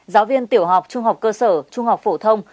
giáo viên tiểu học trung học cơ sở trung học phổ thông